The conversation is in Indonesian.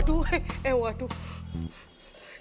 dulu sebelum pula